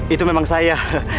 itu memang saya